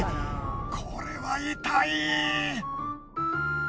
これは痛い！